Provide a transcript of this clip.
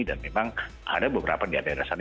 dan memang ada beberapa di daerah sana